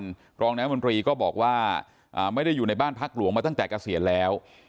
รองน้ำมนตรีก็บอกว่าไม่ได้อยู่ในบ้านพักหลวงมาตั้งแต่เกษียณแล้ว